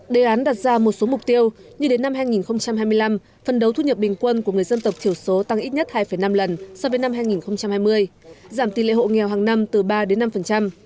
đề án đặt ra một số mục tiêu như đến năm hai nghìn hai mươi năm phần đấu thu nhập bình quân của người dân tộc thiểu số tăng ít nhất hai năm lần so với năm hai nghìn hai mươi giảm tỷ lệ hộ nghèo hàng năm từ ba đến năm